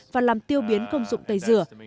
và làm tiêu biến công dụng tẩy rửa